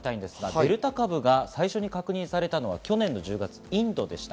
デルタ株が最初に確認されたのは去年の１０月、インドでした。